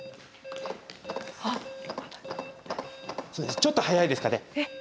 ちょっと速いですかね。